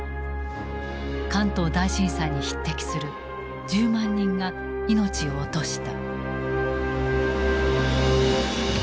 関東大震災に匹敵する１０万人が命を落とした。